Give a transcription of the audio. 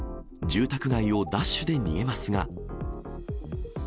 住宅街をダッシュで逃げますが。